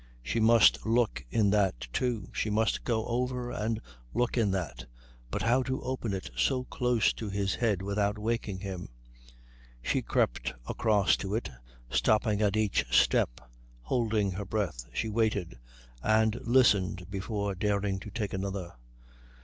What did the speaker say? She must look in that, too; she must go over and look in that; but how to open it so close to his head without walking him? She crept across to it, stopping at each step. Holding her breath she waited and listened before daring to take another.